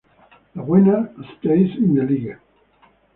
The winner stays in the league.